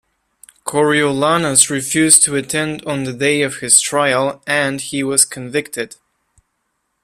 Coriolanus refused to attend on the day of his trial, and he was convicted.